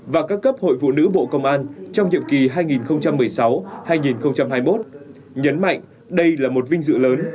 và các cấp hội phụ nữ bộ công an trong nhiệm kỳ hai nghìn một mươi sáu hai nghìn hai mươi một nhấn mạnh đây là một vinh dự lớn